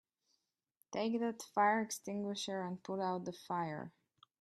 Take that fire extinguisher and put out the fire!